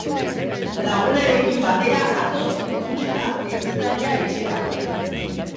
Lagunarekin batera, autoz itzuli da ehiztaria etxera.